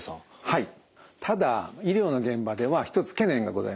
はい。